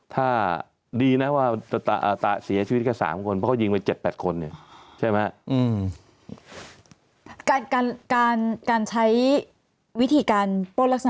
ถ้าดีนะว่าจะเสียชีวิตแค่๓คนเพราะเขายิงไป๗๘คน